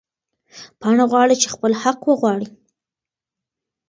پاڼه غواړې چې خپل حق وغواړي.